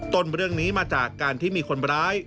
ต้นเรื่องนี้มาจากการที่มีคนร้าย